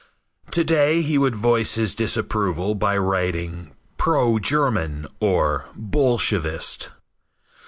To day he would voice his disapproval by writing "Pro German" or "Bolshevist."